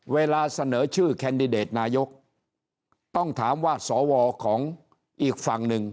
เวลาเสนอชื่อแคนดิเดตนายกต้องถามว่าสวของอีกฝั่งหนึ่ง